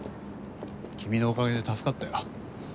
君のおかげで助かったよ。